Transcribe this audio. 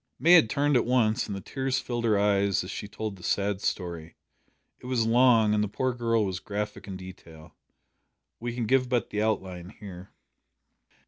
May had turned at once, and the tears filled her eyes as she told the sad story. It was long, and the poor girl was graphic in detail. We can give but the outline here.